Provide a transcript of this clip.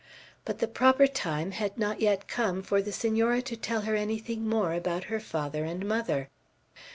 But the proper time had not yet come for the Senora to tell her anything more about her father and mother.